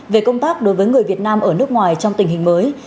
về công tác đối với người việt nam ở nước ngoài trong tình hình mới